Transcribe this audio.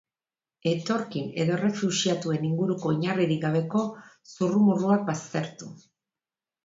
Etorkin edo errefuxiatuen inguruko oinarririk gabeko zurrumurruak baztertu.